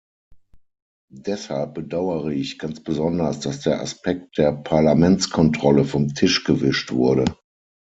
Deshalb bedauere ich ganz besonders, dass der Aspekt der Parlamentskontrolle vom Tisch gewischt wurde.